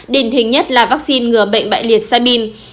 đình hình nhất là vaccine ngừa bệnh bại liệt sabine